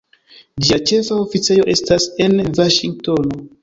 Ĝia ĉefa oficejo estas en Vaŝingtono.